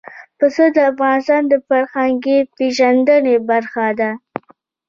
پسه د افغانانو د فرهنګي پیژندنې برخه ده.